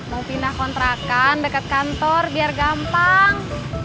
mau pindah kontrakan dekat kantor biar gampang